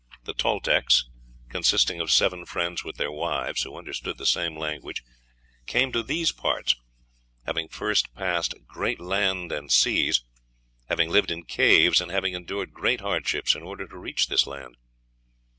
"The Toltecs, consisting of seven friends, with their wives, who understood the same language, came to these parts, having first passed great land and seas, having lived in caves, and having endured great hardships in order to reach this land